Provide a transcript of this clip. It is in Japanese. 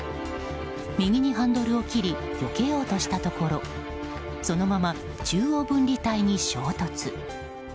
右にハンドルを切りよけようとしたところそのまま中央分離帯に衝突。